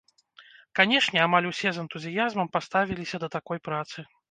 Канешне, амаль усе з энтузіязмам паставіліся да такой працы.